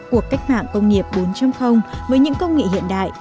cuộc cách mạng công nghiệp bốn với những công nghệ hiện đại